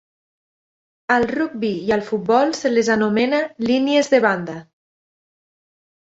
Al rugbi i al futbol se les anomena línies de banda.